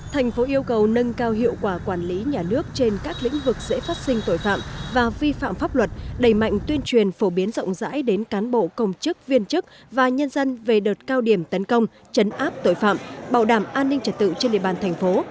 thành phố yêu cầu nâng cao hiệu quả quản lý nhà nước trên các lĩnh vực dễ phát sinh tội phạm và vi phạm pháp luật đẩy mạnh tuyên truyền phổ biến rộng rãi đến cán bộ công chức viên chức và nhân dân về đợt cao điểm tấn công chấn áp tội phạm bảo đảm an ninh trật tự trên địa bàn thành phố